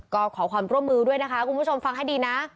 ก็ขอความร่วมมือด้วยนะคะคุณผู้ชมฟังให้ดีนะ